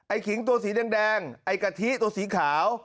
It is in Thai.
ขิงตัวสีแดงไอ้กะทิตัวสีขาว